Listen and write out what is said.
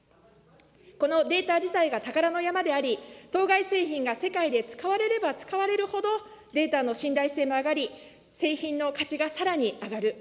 このデータ自体が宝の山であり、当該製品が世界で使われれば使われるほど、データの信頼性も上がり、製品の価値がさらに上がる。